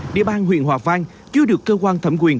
địa bàn huyện hòa vang chưa được cơ quan thẩm quyền